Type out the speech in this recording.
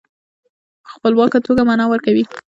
په خپلواکه توګه معنا ورکوي.